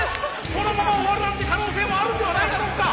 このまま終わるなんて可能性もあるんではないだろうか。